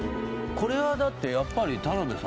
これはだってやっぱり田辺さん